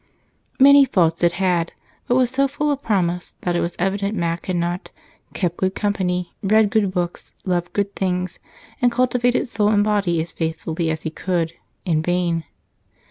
Many faults it had, but was so full of promise that it was evident Mac had not "kept good company, read good books, loved good things, and cultivated soul and body as faithfully as he could" in vain.